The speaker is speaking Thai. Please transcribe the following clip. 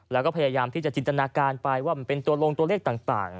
แล้วก็พยายามที่จะจินตนาการไปว่ามันเป็นตัวลงตัวเลขต่าง